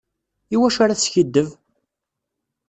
Iwacu ara teskiddeb?